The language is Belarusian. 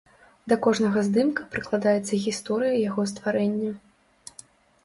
Да кожнага здымка прыкладаецца гісторыя яго стварэння.